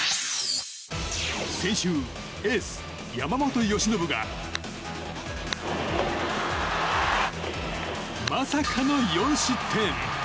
先週エース、山本由伸がまさかの４失点。